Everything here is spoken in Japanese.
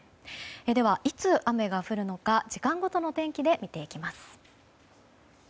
では、いつ雨が降るのか時間ごとの天気で見ていきます。